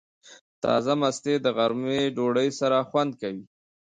تازه مستې د غرمې ډوډۍ سره خوند کوي.